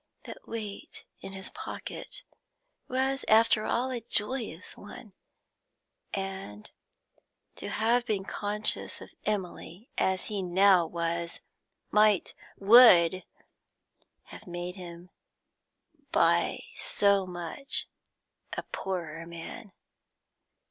That weight in his pocket was after all a joyous one, and to have been conscious of Emily as he now was, might would have made him by so much a poorer man.